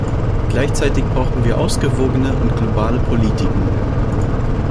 Gleichzeitig brauchen wir ausgewogene und globale Politiken.